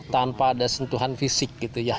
tanpa ada sentuhan fisik